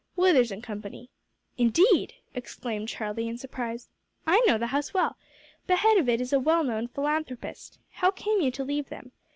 "Withers and Company." "Indeed!" exclaimed Charlie in surprise. "I know the house well. The head of it is a well known philanthropist. How came you to leave them?